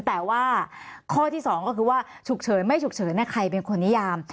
แต่ว่าข้อที่๒ก็คือว่าฉุกเฉินไม่ฉุกเฉินใครเป็นคนนิยาม